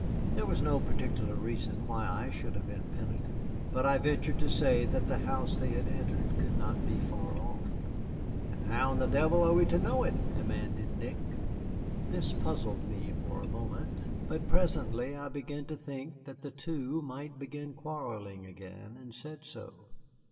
There was no particular reason why I should have been penitent, but I ventured to say that the house they had entered could not be far off. "And how the devil are we to know it?" demanded Nick. This puzzled me for a moment, but presently I began to think that the two might begin quarrelling again, and said so.